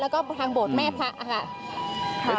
แล้วก็ทางโบสถแม่พระค่ะ